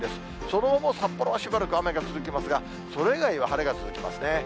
その後も札幌はしばらく雨が続きますが、それ以外は晴れが続きますね。